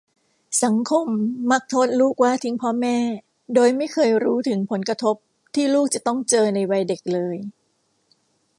สังคมมักโทษลูกว่าทิ้งพ่อแม่ โดยไม่เคยรู้ถึงผลกระทบที่ลูกจะต้องเจอในวัยเด็กเลย